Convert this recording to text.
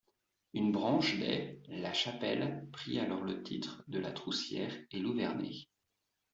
Une branche des La Chapelle prit alors le titre de la Troussière et Louverné.